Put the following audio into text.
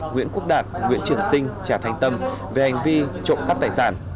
nguyễn quốc đạt nguyễn trường sinh trà thành tâm về hành vi trộm cắp tài sản